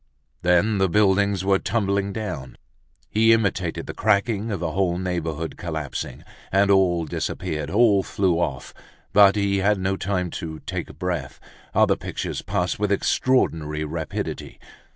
Then, the buildings were tumbling down, he imitated the cracking of a whole neighborhood collapsing; and all disappeared, all flew off. But he had no time to take breath, other pictures passed with extraordinary rapidity.